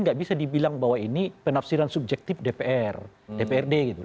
tidak bisa dibilang bahwa ini penafsiran subjektif dpr dprd